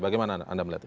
bagaimana anda melihatnya